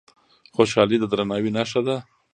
خوشالي د درناوي نښه ده.